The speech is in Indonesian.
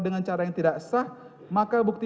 dengan cara yang tidak sah maka bukti